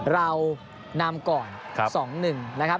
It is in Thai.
เรานำก่อน๒๑นะครับ